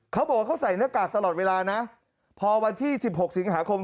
เขาบอกว่าเขาใส่หน้ากากตลอดเวลานะพอวันที่๑๖สิงหาคม